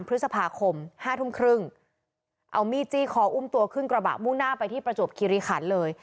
พฤษภาคมห้าทุ่มครึ่งเอามีดจี้คออุ้มตัวขึ้นกระบะมุ่งหน้าไปที่ประจวบคิริขันเลย